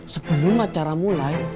sebelum acara mulai